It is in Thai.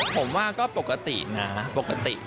ผมว่าก็ปกตินะปกติ